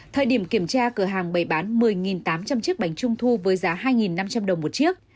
thời điểm kiểm tra cửa hàng bày bán một mươi tám trăm linh chiếc bánh trung thu với giá hai năm trăm linh đồng một chiếc